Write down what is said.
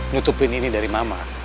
nyutupin ini dari mama